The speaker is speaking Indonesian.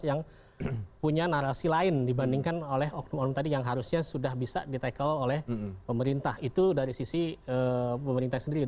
yang punya narasi lain dibandingkan oleh oknum oknum tadi yang harusnya sudah bisa di tackle oleh pemerintah itu dari sisi pemerintah sendiri